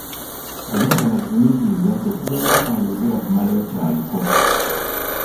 Obutaba na bugumiikiriza tekuganya ayogera kumalayo ky'aliko.